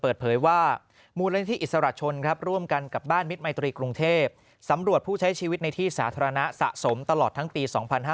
เปิดเผยว่ามูลนิธิอิสระชนร่วมกันกับบ้านมิตรมัยตรีกรุงเทพสำรวจผู้ใช้ชีวิตในที่สาธารณะสะสมตลอดทั้งปี๒๕๕๙